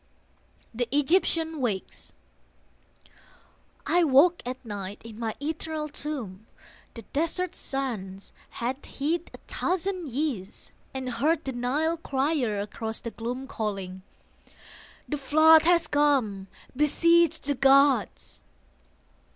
THE EGYPTIAN WAKES I woke at night in my eternal tomb The desert sands had hid a thousand years, And heard the Nile crier across the gloom Calling, "The flood has come! beseech the gods!"